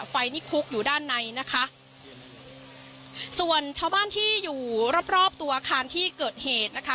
ไฟนี่คุกอยู่ด้านในนะคะส่วนชาวบ้านที่อยู่รอบรอบตัวอาคารที่เกิดเหตุนะคะ